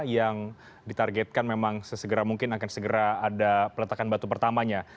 yang ditargetkan memang sesegera mungkin akan segera ada peletakan batu pertamanya